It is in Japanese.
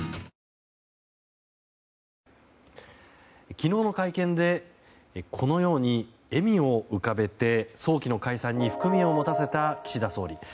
昨日、会見でこのように笑みを浮かべて早期の解散に含みを持たせた岸田総理。